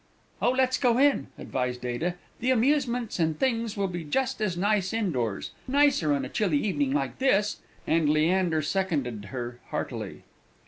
"Oh, let's go in!" advised Ada; "the amusements and things will be just as nice indoors nicer on a chilly evening like this;" and Leander seconded her heartily.